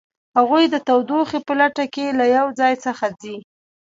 هغوی د تودوخې په لټه کې له یو ځای څخه ځي